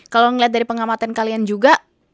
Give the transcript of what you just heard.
kalau melihat dari pengamatan kalian juga